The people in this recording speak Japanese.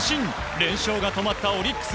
連勝が止まったオリックス。